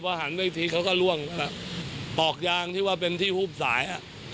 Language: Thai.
พอหันอีกทีเขาก็ล่วงแล้วปอกยางที่ว่าเป็นที่ฮูบสายอ่ะ